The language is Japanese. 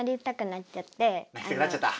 なりたくなっちゃった。